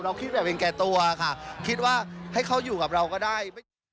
คิดแบบเป็นแก่ตัวค่ะคิดว่าให้เขาอยู่กับเราก็ได้